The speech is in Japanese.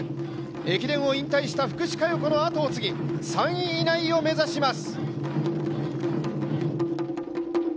駅伝を引退した福士加代子の後を継ぎ、３位以内を目指します。